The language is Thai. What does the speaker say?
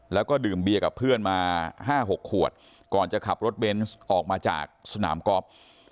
แล้วก็ดื่มเบียร์กับเพื่อนมา๕๖ขวดก่อนจะขับรถเบนส์ออกมาจากสนามกอล์ฟ